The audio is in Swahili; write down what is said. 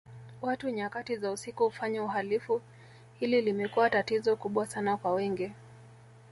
Watu nyakati za usiku ufanya uhalifu hili limekuwa tatizo kubwa Sana kwa wengi